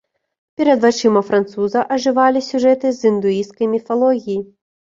Перад вачыма француза ажывалі сюжэты з індуісцкай міфалогіі.